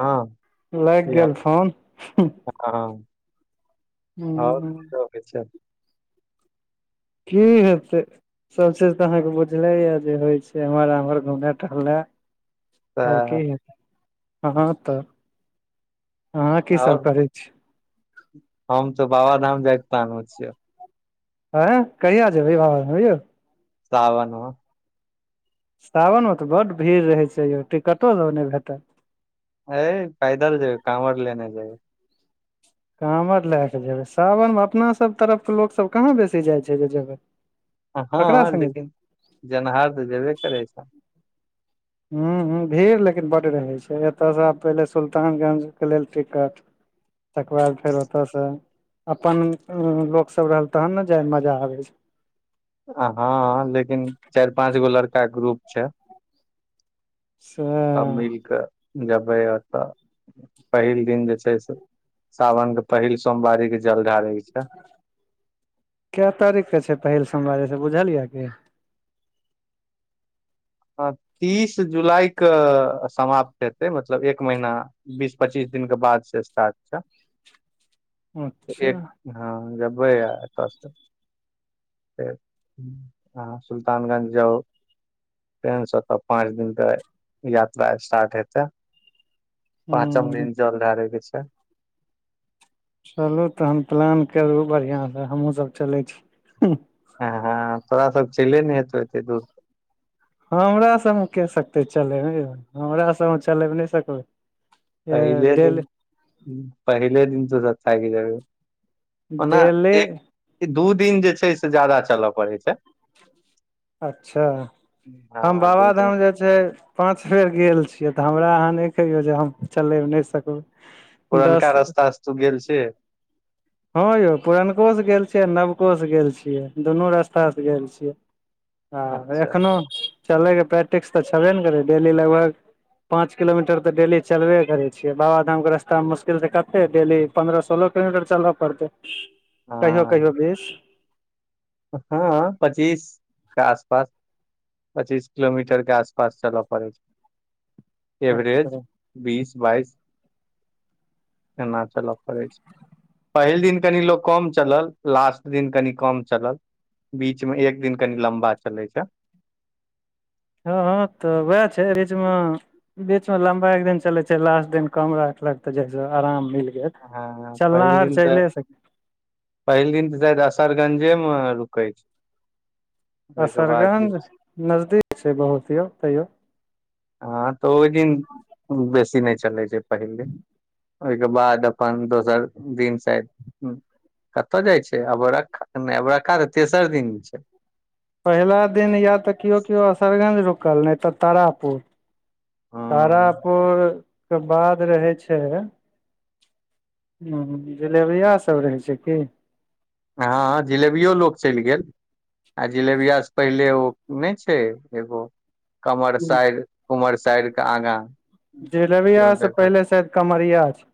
हँ लागि गेल फोन [unintelligible] ओर की सब होइ छै कि हेतय सब चीज तऽ अहाँके बुझलेया जे होइ छै ए्हर आम्हर घुमइ टहनाइ ओर की तऽ हेै हँ तऽ अहाँ की सब आओर करै छी हम तऽ बाबाधाम जाइक पन मे छियै आँय कहिया जेबै ई बाबाधाम यै शावन मे सावनमे तऽ बड भीड़ रहैत छै यौ टिकटो सभ नय भेटत अ पैदल जेबै कामर लेने जेबै काँवर लए कऽ जेबै सावन मे अपना सभ तरफ के लोक सभ कहाँ बेसी जाइ छै जे जेबै ककरा हँ संगे लेकिन जन्हार तऽ जेबे करै छ ह ह भीड़ लेकिन बहुत रहै छै एतय सँ आब पहिले सुल्तानगंज के लेल टिकट [inaudible] तकर बाद फेर ओतय से अपन लोक सब रहल तहन ने जाय मे मजा आबे छै हँ लेकिन चार पांच गो लड़का के ग्रुप छै [unintelligible] मिल क जबै ओत पहिल दिन जे छै से सावन के पहिल सोमवारी के जल ढारय कै तारीख के छै पहिल सोमवारी से बुझल ये की हँ तीस जुलाईके समाप्त हेतै मतलब एक महीना बीस पच्चीस दिनक के बाद से स्टार्ट छय अच्छा [unintelligible] आराम स जेबै आ एतऽ से आहा सुलतानगंज जाउ ट्रेनसँ तऽ पाँच दिक यात्रा स्टार्ट हेतै पाँचम हूँ दिन जलढरै के चाहि चलू तहन प्लान करू बढ़ियासँ हमहूँसभ चलै छी हरहर तोरा सब चले ने हेतौ एते दूर हमरा सभमे के सकतै चलेलैमै यौ हमरा सभमे चलेब नहि सकतै पहिले दिन पहिले दिन तऽ काज ओना डेली एक दू दिन जे छैय से ज्यादा चलय पड़ैत छैयय अच्छा हम हँ दू दिन बाबाधाम जा जे पाँच बेर गेल छियै तऽ हमरा अहाँ नहि कहियौ जे हम चलय नहि सकबै पुरनका दस रस्तासे तु गेल छिहिं हँं यौ पुरनको से गेल छियै आ नवको से गेल छियै दुनू रास्तासँ गेल छियै हँ अच्छा एखनो चलयके प्रैक्टिस तऽ छबे ने करै डेली लगभग पाँच किलोमीटर तऽ डेली चलबे करै छियै बाबाधामके रास्तामे मुश्किल तऽ कते डेली पन्द्रह सोलह किलोमीटर चलबऽ पड़तै कहियो कहियो हँ बीस हँ पच्चीस के आसपास पचीस किलोमीटर के आसपास चलब पड़ै छै एवरेज अच्छा बीस बाइस केना चलऽ पड़ै छै पहिल दिन कनि लोक कम चलल लास्ट दिन कनि कम चलल बीच में एक दिन कनि लम्बा चले छैय हँ तऽ उएह छै बीचमे बीच में लम्बा एक दिन चले छै लास्ट दिन कम राखलक तऽ लास्ट दिनआराम मिलगेल हँ चलना पहिल हर दिन तऽ चले सक पहिल दिन तऽ शायद असरगंजे मे रुकै छैय असरगंज छै नजदीक छै बहुत यौ तैयो हँ तऽ ओहि दिन बेसी नहि चलैत छै पहिल दिन ओहिके बाद अपन दोसर दिन ताकि कत जाइ छै अबरकखा तऽ तेसर दिन छैय पहिला दिन या तऽ केओ केओ असरगंज रुकल नहि तऽ तारापुर हँ तारापोके बाद रहै छै हँ जिलबिया सब रहै छै की हँ जिलेबियो लोकोग चलि गेल आ जिलेबियास से पहिले ओ नहि छै एगो कमरसइर के आगाँ जिलेबिया से पहिले शायद कमरिया छै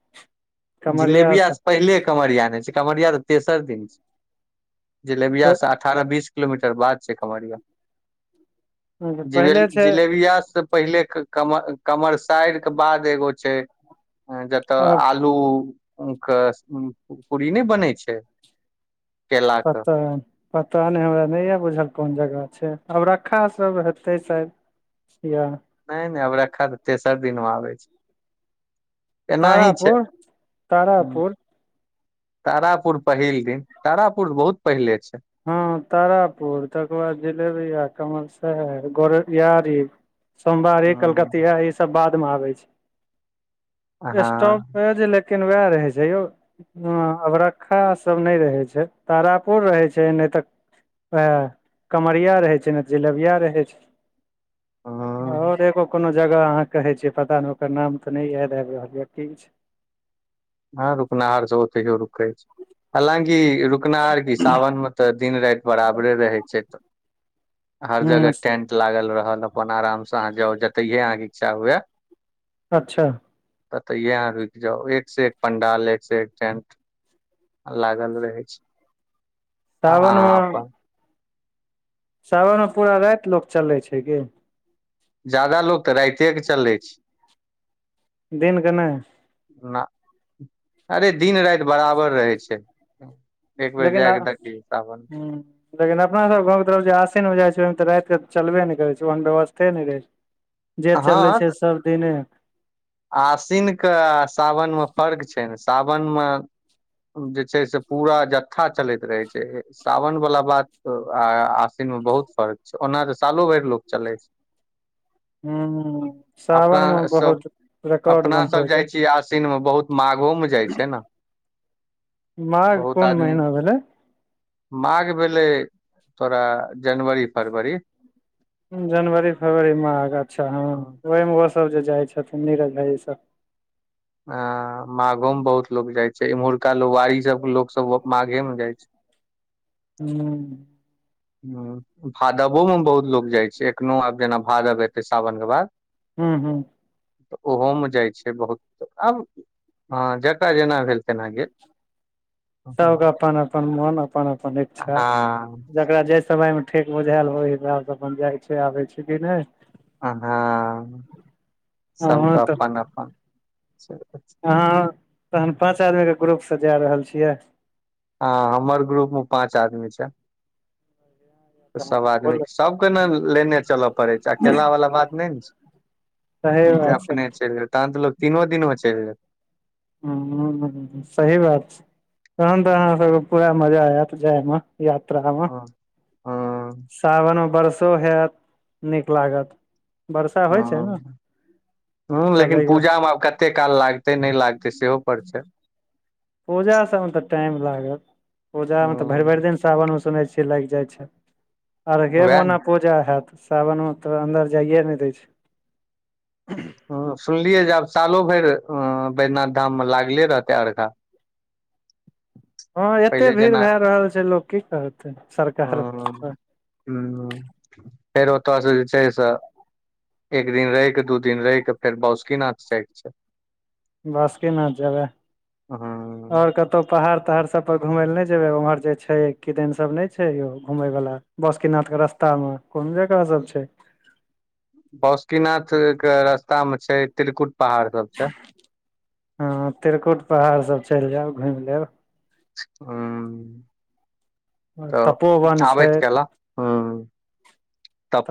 कमरिया से पहिले कमरिया नइ छै कवरिया तऽ तेसर दिन छै जिलेबिया सँ अठारह बीस किलोमीटर एकर बाद छै पहिले जीबेली छै जिलबिया सँ पहिले कमर - कमरसाइर केँ बाद एगो छै जतऽ आब आ लू कऽ पूड़री नय बनै छै केला के कतऽ पता नय हमरा नय बुझल कोन जगह छै अबरखा सब हेतै साइद या नय नय अबरखा तऽ तेसर दिन मऽ आबै छै एनाही छै तारापुर हुँ तारापुर तारापुर पहिल दिन तारापुर बहुत पहिले छै हँ तारापुर तकर बाद जिलेबिया कमलसाइर गोरयारी सोमवारी हँ कलकतिया ई सब बाद मे आबे हँ छै स्टव ओहो जे लेकिन वैह रहै छै यौ हँ अबरक्खा सब नय रहे छै तारापुर रहे छै नै तऽ आ कमरिया रहै छै नै तऽ जिलेबिया रहै छै हँ आओर एगो कोनो जगह अहाँ कहे छै पता नइ ओकर नाम तऽ नइ याद आइब रहल यऽ किछ हँ रुकनाहार सब ओतहियो रुकै छै हालकि रुकनाहार की सावन मऽ तऽ दिन राइत बराबरे रहै छै तऽ हर हूँ जगह टेंट लागल रहल अपन आराम से अहाँ जतैहिये अहाँ कऽ इच्छा हुए अच्छऽ ततैइये अहाँ रुकि जाउ एक सँ एक पंडाल एक सँ एक टेंट लागल रहे छै आ सावन मे अहाँ अपन सावन मऽ पूरा राइत लोक चलै छै की जदा लोग तऽ राइते कऽ चलै छै दिन कऽ नय ना अरे दिन राइत बराबर रहै छै एक बेर लेकिन जै आ कऽ दखियो साावन हूँ लेकिन अपना सब घाँव कऽ तरफ जे आशीिनमे जाइ छै ओहिमे तऽ राइत कऽ तऽ चलबे नइ करै छै ओहन व्यवस्थे नइ रहै छै जे चलै छै सब दिने आशिन कऽ आ सावन मऽ फर्क छै नऽ सावन मऽ जे छै से पूरा जत्था चलैत रहै छै सावन बला बात ओ आ - आ आस्विन मे बहुत फर्क छै ओना तऽ सालो भैर लोक चलै छै हूँ अपना सावन मे सब बहुत रिकॉर्ड अपना सब बनबै छै जाइ छियै आस्विन मऽ बहुत माघो मऽ जाइ छै नऽ माघ कोन आदमी महीना भेलै माघ भेलै तोरा जनवरी, फरवरी जनवरी फरवरी मघ अच्छा हँ अ ओहिमे ओसभ जे जाइ छथिन नीरज भाइ सब अ माघो मऽ बहुत लोग जाय छै एमहुरका लोग वारी सब कऽ लोको सब माघे मऽ जाय छै हुँ हुँ भादवो मऽ बहुत लोग जाइ छै एखनो आब जेना भादव एत्ते सावन केँ बाद हुँ - हुँ तऽ ओहोमे जाइ छै बहुत आब हँ जकरा जेना भेल तेना गेल सब कऽ अपन - अपन मन अपन - अपन इच्छा हँ जकरा जे समय मे ठेक बुझायल ओई हिसाब स अपन जाइ छै आबे छै कि नै हँ हँ अहाँ सबके तऽ अपन अपन अहाँ तहन पांच आदमी के ग्रुप स जा रहल छियाय हँ हमर ग्रुप मे पाँच आदमी छै तहन सब तऽ बोल आदमी सबके ने लेने चलै पड़ै छै अकेला वाला बात नै ने छै सही जे बात छै अपने चलि तहन त लोक तीनो दिनमे चलि गेल हँ सही बात छै तहन त अहाँ सबके पूरा मजा आयत जायमे यात्रा मे हँ हँ सावनमे वर्षो हाएत नीक लागत। वर्षा होइ छै हॅं ने अहूँ लेकिन चलैयो पूजामे आब कत। ते काल लागतै नै लागतै सेहो पर छै पूजा सब मे त टाइम लागत पूजा मे त भरि भरि ह दिन सावन मे सुनै छियै लागि जाइ छै अर्घे वएह ने मोनप पूजा हाएत सावनमे तऽ अन्दर जाइए नै दै छैय। हूँ सुनलियै जे आब सालो भरि बैद्यनाथ धाम मे लागले रहतै अर्घा। हँ एते पहिले भीड़ जेना भए रहल छै लोक की करतैय सरकार। हूँ फेर ओत स जे छैय से एक दिन रहि क दू दिन रहिक फेर बौसुकीनाथ साइड छैय। बासुकीनाथ जेबै ह आओर कत कतहु पहाड़ तहाड़ सब पर घूमय लए नै जेबै उम्हर जे छै किदन सब नै छै यौ घूमय वाला। बौसकीनाथ के रस्ता मे कोन जगह सब छैय। बौसकिनाथ के रस्ता मे छैय त्रिकुट पहाड़ सब छैय। हाॅं त्रिकुट पहाड़ सब चलि जाएब घुमि लेब। हूँ त तपोवन छै ताबैत केला हूँ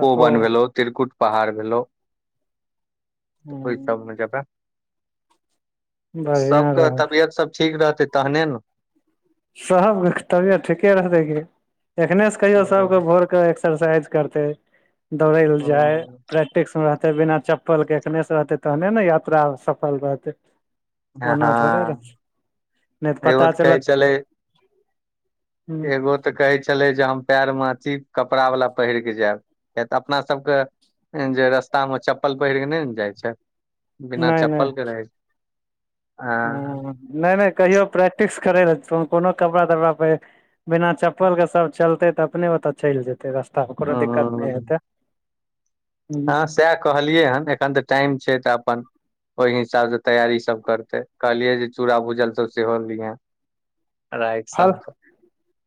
तपो भेलौ त्रिकुट पहाड़ भेलौव। त ओई सबमे हूँ जेबा। बढ़िया सबके रह तबियत सब ठीक रहतै तहने न सब तबियत ठीके रहतै गे एखने स कहियौ सबके भोरक। एक्सरसाइज करतै दौड़ैयल जाय प्रैक्टिस मे रहतैय बिना चप। सफल के एखने स रहतै तहने न यात्रा सफल रहतैं। ओना थोड़े रह। हँ एगो तऽ कहैय छलै एगो। तऽ कहै छलै जे हम पार मे अथी कपड़ा वाला पहिरके जायब किया तऽ अपना सबके‌। जे रस्तामे चप्पल पहिर कऽ नै ने जाइ छै बिना नै नै चप्पलके रहैय छै हँ नैय नैय कहियो प्रैक्टिस करै ला कोनो कपड़ा तपड़ाप पहिर बिना चप्पल के सब चलतै तऽ अपने ओतऽ चलि जेतै रस्ता कोनो दिक्कत नै हेतै। हाॅं साएह कहलियै हन एखन तऽ टाइम छै तऽ अपन। ओहि हिसाब स तैयारी सब करतै कहलिये जे चूरा भूजल सब सेहो लीहाँ। रइट संक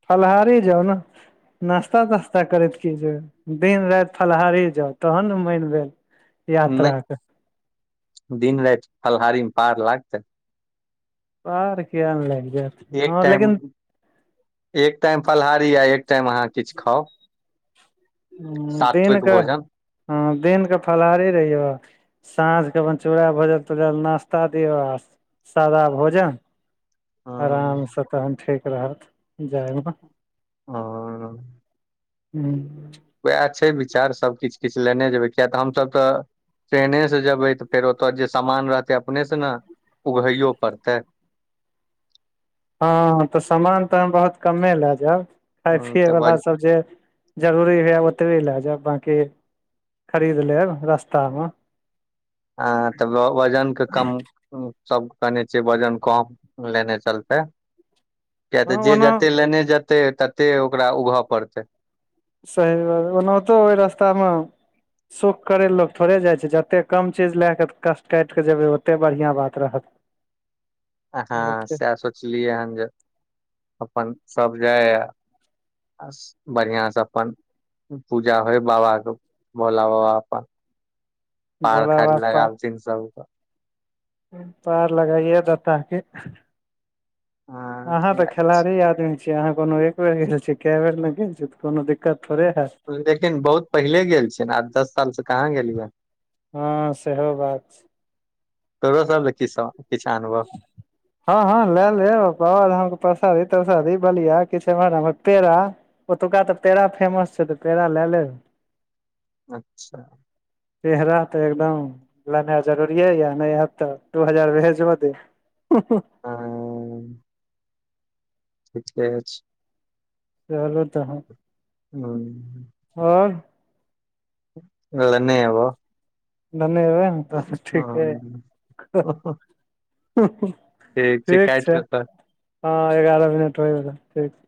फलहारे जाउ न नास्ता तास्ता करैत की जेबैय। दिन राति फलहारी जाउ तहन न मैन भेल नहि यात्राके। दिन राइत फलाहारी म पार लागतैय। पार किया नै लाइग जैत एक टाइम [inaudible] एक टाइम फलाहारी आ एक टाइम अहाँ किछ खाउ। हु दिन सात्विक कऽ भोजन ह दिन कऽ फलाहारी रहियौ। साँझ कऽ अपन चूरा भुजल तुजल नश्ता दियऔ आ सादा भोजन। आराम हँ स तहन ठीक रहत जाय म। हऽ [unintelligible] उएह छै विचार सभ किछ किछ लेने जेबैय किय तऽ हम सभ तऽ। ट्रेने से जेबैय तऽ फेर ओ तऽ जे सामान रहतै अपने से न उघैयो पड़तैय। हँ तऽ सामान तऽ हम बहुत कमे लै जायब खाय हूँ तऽ पियैवला वज सभ जे। जरूरी हुए ओतबी लै जायब बाकी खरीद लेब रस्ता में। अहाँ तऽ ग वजन कऽ कम। सब कहने छियै वजन कम लेने चलतै। किया तऽ हँ जे ओना जतेक लेने जेतै ततेक ओकरा उघ पड़तैय। सही बात ओनाहितो ओहि रास्ता में। सुख करै लए लोक थोड़े जाइ छै जतेक कम चीज लए कऽ कष्ट काइट कऽ जेबै ओतेक बढ़िआँ बात रहत। [unintelligible] अ हँ ओके सैह सोचलियै हन जे [inaudible] अपन सभ जय अस बढ़िआँ स अपन पूजा होइ बाबा केँ [inaudible] भोलाबाबा अपन [inaudible] पार भोला बाबा खाली पा लगाबथिन सभ कऽ पार लगाइए देता कि [inaudible] अहाँ तऽ ह खिलाड़ी आदमी छी अहाँ कोनो एक बेर गेल छि कै बेर न गेल छिये कोनो दि लेकिन बहुत पहिले गेल छिये न आठ दस साल स कहाँ गेलियै हऽ ह सेहो बात छै तोरो सभ लेल किछ सब किछ आनब [unintelligible] हँ हँ लए लेब बाबाधाम केँ परसादी तरसादी बलिया किछ एम्हर आम्हर पेड़ा ओतुका तऽ पेड़ा फेमस छै तऽ पेड़ा लए लेब अच्छ पेरा तँ एकदम लेनाय जरूुरये य नै हायत तँ दू हजार भेजियो [unintelligible] हँ ठीके छै चलू तहन हूँ [inaudible] और लने एबोउ ननै एबै न तहन ठीके हँ य [unintelligible] ठीक छै [inaudible] हँ एगारह मिनट होइ बला अय ठीक छै